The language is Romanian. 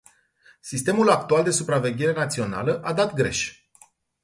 Sistemul actual de supraveghere națională a dat greș.